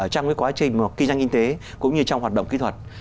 trong quá trình kinh doanh kinh tế cũng như trong hoạt động kỹ thuật